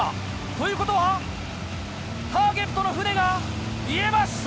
ということはターゲットの船が見えました！